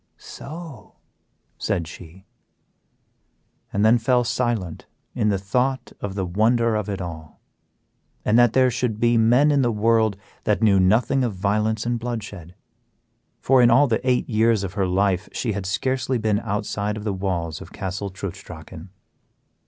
"So!" said she. And then fell silent in the thought of the wonder of it all, and that there should be men in the world that knew nothing of violence and bloodshed; for in all the eight years of her life she had scarcely been outside of the walls of Castle Trutz Drachen.